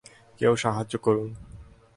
কেউ সাহায্য করুন!